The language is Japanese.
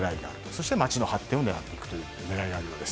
そして街の発展を狙っていくという狙いがあるようです。